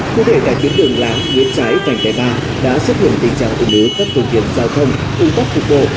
cụ thể tại tiến đường lãng nguyễn trái cảnh cái ba đã xuất hiện tình trạng ứng lứa các công viên giao thông ứng tóc cục bộ